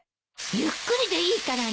ゆっくりでいいからね。